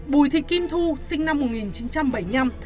bùi thị kim thu sinh năm một nghìn chín trăm bảy mươi năm